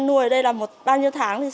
nuôi các loại bó khác